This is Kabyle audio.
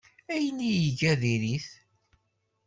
Ayen ay iga diri-t.